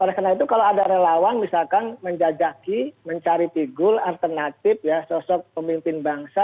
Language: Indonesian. oleh karena itu kalau ada relawan misalkan menjajaki mencari figur alternatif ya sosok pemimpin bangsa